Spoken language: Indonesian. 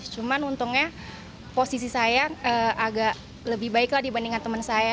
cuman untungnya posisi saya agak lebih baik lah dibandingin temen saya